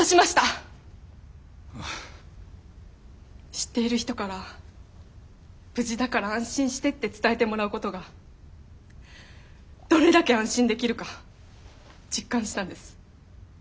知っている人から無事だから安心してって伝えてもらうことがどれだけ安心できるか実感したんです。